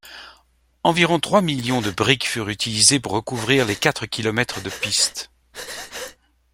Environ trois millions de briques furent utilisées pour recouvrir les quatre kilomètres de piste.